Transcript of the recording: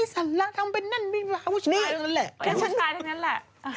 สาละทำเป็นนั่นมีลัมพุชทายเท่านั้นแหละ